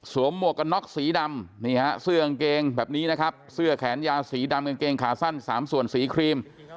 หมวกกันน็อกสีดำนี่ฮะเสื้อกางเกงแบบนี้นะครับเสื้อแขนยาวสีดำกางเกงขาสั้น๓ส่วนสีครีม